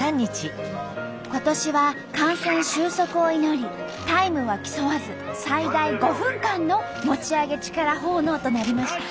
今年は感染収束を祈りタイムは競わず最大５分間の餅上げ力奉納となりました。